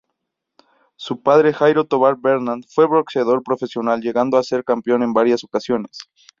Su padre Jairo Tobar Bernard fue boxeador profesional llegando hacer campeón en varias ocasiones.